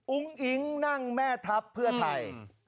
อิ๊งนั่งแม่ทัพเพื่อไทย